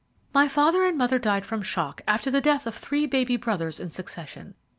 "My father and mother died from shock after the death of three baby brothers in succession.